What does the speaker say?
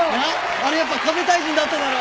あれやっぱＫＡＢＥ太人だっただろ？